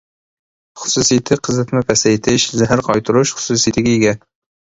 خۇسۇسىيىتى قىزىتما پەسەيتىش، زەھەر قايتۇرۇش خۇسۇسىيىتىگە ئىگە.